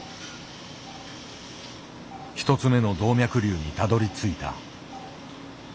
１つ目の動脈瘤にたどりついた。